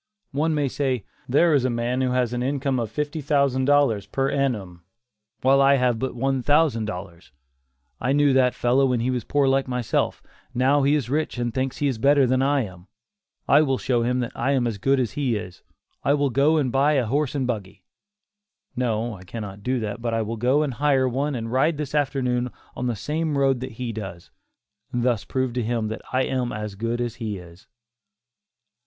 One may say, "there is a man who has an income of fifty thousand dollars per annum, while I have but one thousand dollars; I knew that fellow when he was poor like myself; now he is rich and thinks he is better than I am; I will show him that I am as good as he is; I will go and buy a horse and buggy; no, I cannot do that but I will go and hire one and ride this afternoon on the same road that he does, and thus prove to him that I am as good as he is."